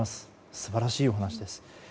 素晴らしいお話です。